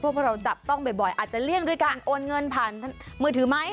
พวกเราจับต้องบ่อยอาจจะเลี่ยงด้วยการโอนเงินผ่านมือถือไหม